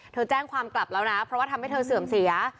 แจ้งความกลับแล้วนะเพราะว่าทำให้เธอเสื่อมเสีย